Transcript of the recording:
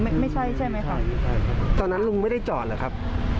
ไม่ใช่ใช่ไหมค่ะตอนนั้นลุงไม่ได้จอดเหรอครับ